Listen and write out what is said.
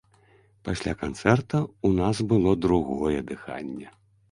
Пасля канцэрта ў нас было другое дыханне.